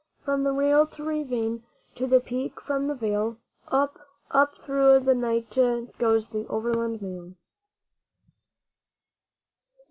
From rail to ravine to the peak from the vale Up, up through the night goes the Overland Mail.